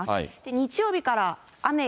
日曜日から雨や。